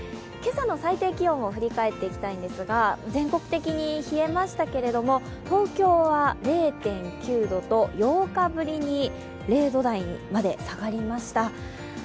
今朝の最低気温を振り返っていきたいんですが、全国的に冷えましたけれども東京は０．９度と８日ぶりに０度台にまで下がりました。